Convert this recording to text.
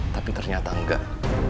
tapi ternyata enggak